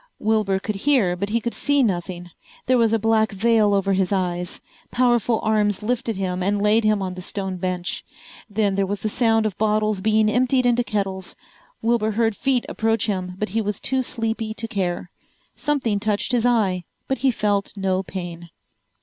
Wilbur could hear but he could see nothing. There was a black veil over his eyes. Powerful arms lifted him and laid him on the stone bench. Then there was the sound of bottles being emptied into kettles. Wilbur heard feet approach him but he was too sleepy to care. Something touched his eye but he felt no pain.